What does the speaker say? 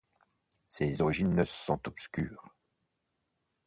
Ses origines sont obscures.